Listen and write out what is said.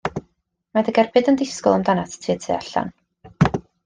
Mae dy gerbyd yn disgwyl amdanat ti y tu allan.